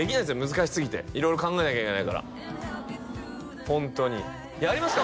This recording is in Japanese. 難しすぎて色々考えなきゃいけないからホントにやりますか？